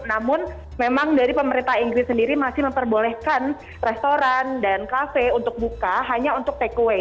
namun memang dari pemerintah inggris sendiri masih memperbolehkan restoran dan kafe untuk buka hanya untuk takeaway